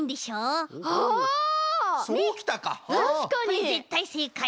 これぜったいせいかい！